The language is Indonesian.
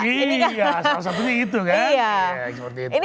iya salah satunya itu kan